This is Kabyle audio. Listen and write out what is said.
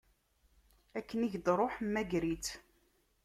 Akken i k-d-tṛuḥ, mmager-itt.